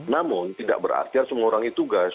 namun tidak berarti harus mengurangi tugas